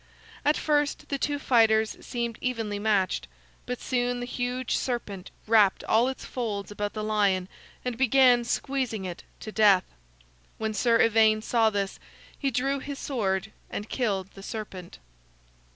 At first the two fighters seemed evenly matched, but soon the huge serpent wrapped all its folds about the lion and began squeezing it to death. When Sir Ivaine saw this, he drew his sword and killed the serpent.